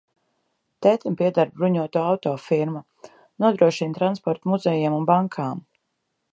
Tētim pieder bruņoto auto firma, nodrošina transportu muzejiem un bankām.